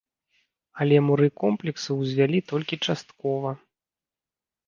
Але муры комплексу ўзвялі толькі часткова.